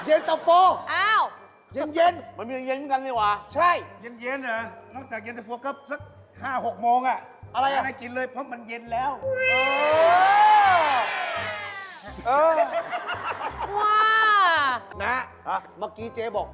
เอฮอฮุฮาน